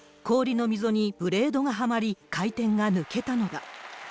氷の溝にブレードがはまり、回転が抜けたのだ。